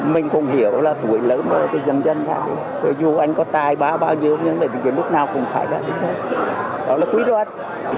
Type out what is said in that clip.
mình không hiểu là tuổi lớn của dân dân nào dù anh có tài bao nhiêu nhưng mà lúc nào cũng phải là tí kỳ đó là quý đối anh